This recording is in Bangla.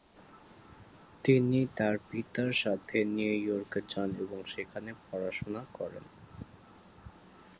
তিনি তার পিতার সাথে নিউ ইয়র্কে যান এবং সেখানে পড়াশোনা করেন।